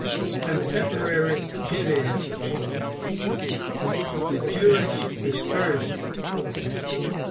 CONTEMPORARY JUDAISM The Jewish Dispersion.